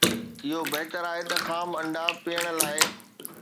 اهو بهتر آهي ته خام انڊا پيئڻ لاء